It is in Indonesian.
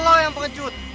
lo yang pengecut